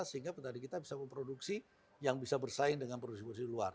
sehingga petani kita bisa memproduksi yang bisa bersaing dengan produksi produksi luar